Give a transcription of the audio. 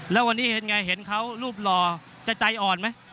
แล้ววันนี้เห็นไงเห็นเขารูปหล่อจะใจอ่อนไหม